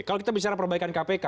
kalau kita bicara perbaikan kpk